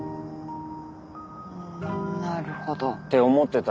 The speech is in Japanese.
うんなるほど。って思ってた。